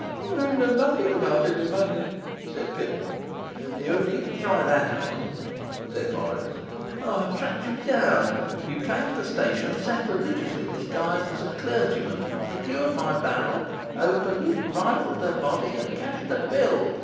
'I know nothing about any money,' said Pitman. 'You needn't try that on,' said Morris. 'I have tracked you down; you came to the station sacrilegiously disguised as a clergyman, procured my barrel, opened it, rifled the body, and cashed the bill.